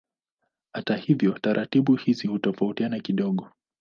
Hata hivyo taratibu hizi hutofautiana kidogo.